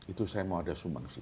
itu saya mau ada sumbang sih